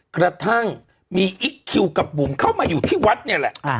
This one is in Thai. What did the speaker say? กระทั่งมีอิ๊กคิวกับบุ๋มเข้ามาอยู่ที่วัดเนี่ยแหละ